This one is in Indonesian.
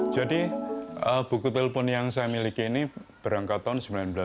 jadi buku telepon yang saya miliki ini berangkat tahun seribu sembilan ratus dua puluh